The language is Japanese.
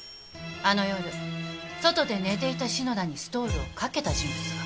あの夜外で寝ていた篠田にストールをかけた人物が。